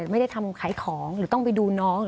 ไม่ได้ทำขายของหรือต้องไปดูน้อง